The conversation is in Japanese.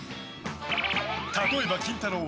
例えばキンタロー。